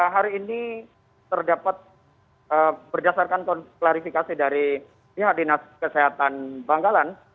hari ini terdapat berdasarkan klarifikasi dari pihak dinas kesehatan bangkalan